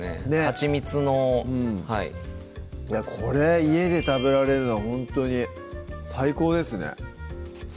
はちみつのこれ家で食べられるのはほんとに最高ですね